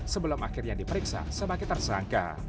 sebelum akhirnya diperiksa sebagai tersangka